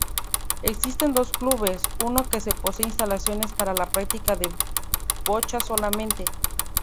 Existen dos clubes, uno que posee Instalaciones para la práctica de bochas solamente.